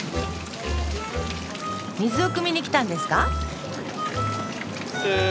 水をくみに来たんですか？